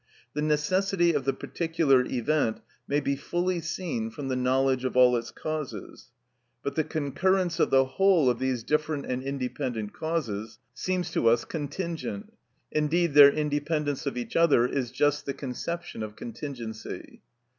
The necessity of the particular event may be fully seen from the knowledge of all its causes; but the concurrence of the whole of these different and independent causes seems to us contingent; indeed their independence of each other is just the conception of contingency.